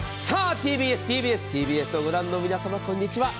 ＴＢＳ、ＴＢＳ、ＴＢＳを御覧の皆様こんにちは。